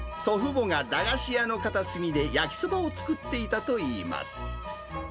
およそ６０年前、祖父母が駄菓子屋の片隅で焼きそばを作っていたといいます。